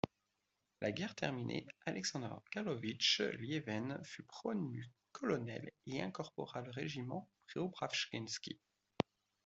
La guerre terminée, Alexandre Karlovitch Lieven fut promu colonel et incorpora le régiment Preobrajensky.